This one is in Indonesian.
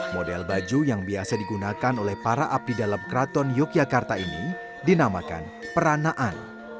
model baju yang biasa digunakan oleh para abdi dalam keraton yogyakarta ini dinamakan peranaan